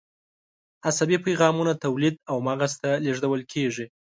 عصبي پیغامونه تولید او مغز ته لیږدول کېږي.